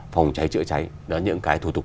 phòng cháy chữa cháy đó những cái thủ tục